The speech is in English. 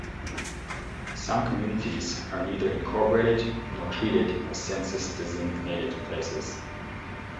Some communities are neither incorporated nor treated as census-designated places.